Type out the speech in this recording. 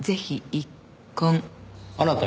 あなた